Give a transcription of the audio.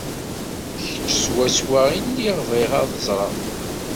D kečč swaswa i lliɣ bɣiɣ ad ẓreɣ.